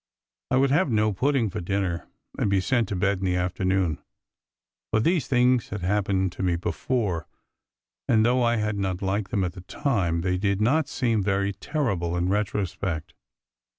I would have no pudding for dinner and be sent to bed in the afternoon : but these things had happened to me before, and though I had not liked them at the time, they did not seem 268 A WET DAY very terrible in retrospect.